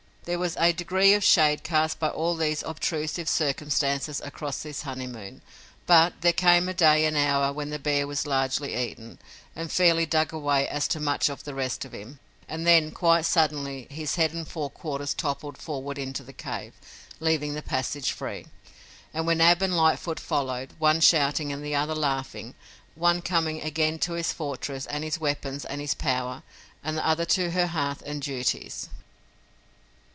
There was a degree of shade cast by all these obtrusive circumstances across this honeymoon, but there came a day and hour when the bear was largely eaten, and fairly dug away as to much of the rest of him, and then, quite suddenly, his head and fore quarters toppled forward into the cave, leaving the passage free, and when Ab and Lightfoot followed, one shouting and the other laughing, one coming again to his fortress and his weapons and his power, and the other to her hearth and duties.